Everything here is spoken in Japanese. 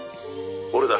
「俺だ。